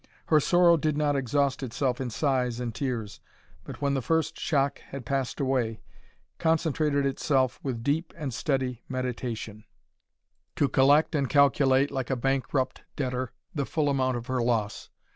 Her sorrow did not exhaust itself in sighs and tears, but when the first shock had passed away, concentrated itself with deep and steady meditation, to collect and calculate, like a bankrupt debtor, the full amount of her loss.